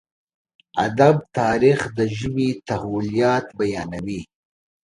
ادب تاريخ د ژبې تحولات بيانوي.